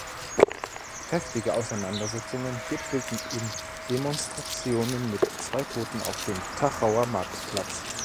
Heftige Auseinandersetzungen gipfelten in Demonstrationen mit zwei Toten auf dem Tachauer Marktplatz.